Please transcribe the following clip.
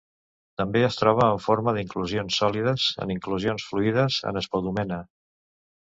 També es troba en forma d'inclusions sòlides en inclusions fluides en espodumena.